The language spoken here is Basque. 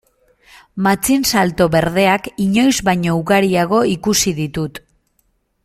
Matxinsalto berdeak inoiz baino ugariago ikusi ditut.